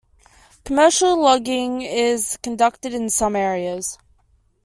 Commercial logging is conducted in some areas.